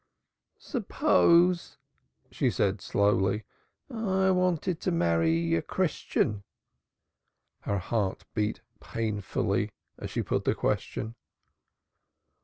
"Suppose," she said slowly, "I wanted to marry a Christian?" Her heart beat painfully as she put the question.